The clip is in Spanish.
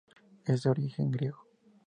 Es de origen griego.